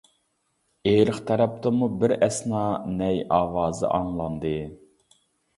ئېرىق تەرەپتىنمۇ بىر ئەسنا نەي ئاۋازى ئاڭلاندى.